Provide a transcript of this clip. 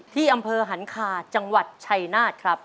ที่อำเภอหันคาจังหวัดชัยนาธครับ